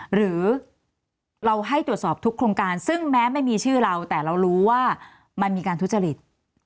หรือเราให้ตรวจสอบทุกโครงการซึ่งแม้ไม่มีชื่อเราแต่เรารู้ว่ามันมีการทุจริต